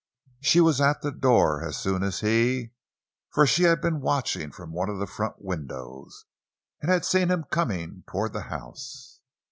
She was at the door as soon as he, for she had been watching from one of the front windows, and had seen him come toward the house.